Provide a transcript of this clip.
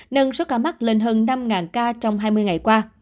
nâng số ca mắc lên hơn năm ca trong hai mươi ngày qua